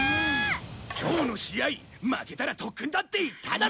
今日の試合負けたら特訓だって言っただろ！